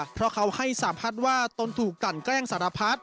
เพราะเขาให้สาธารณ์ว่าต้นถูกดันแกล้งสารพัฒน์